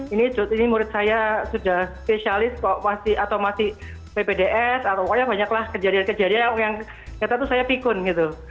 ini murid saya sudah spesialis atau masih ppds atau pokoknya banyaklah kejadian kejadian yang ternyata itu saya pikun gitu